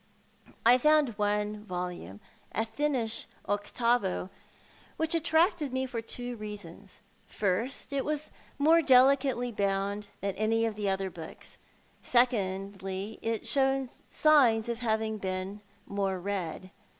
1 found one volume — a thinnish octavo — which attracted me for two reasons. Firstly, it was more delicately bound than aay of the other books. Secondly, it showed signs of having been more read.